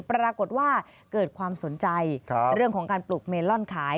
ปรากฏว่าเกิดความสนใจเรื่องของการปลูกเมลอนขาย